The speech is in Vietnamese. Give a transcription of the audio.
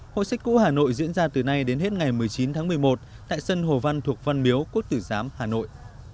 hội sách cũ hà nội diễn ra từ nay đến hết ngày một mươi chín tháng một mươi một tại sân hồ văn thuộc văn miếu quốc tử giám hà nội